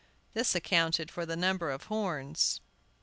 This accounted for the number of horns.